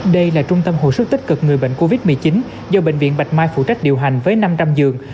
đây là trung tâm hồi sức tích cực người bệnh covid một mươi chín do bệnh viện bạch mai phụ trách điều hành với năm trăm linh giường